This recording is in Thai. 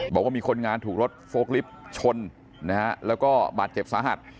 บอกว่ามีคนงานถูกรถโฟล์ลิฟต์ชนนะฮะแล้วก็บาดเจ็บสาหัส